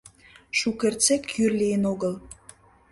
Шукертсек йӱр лийын огыл.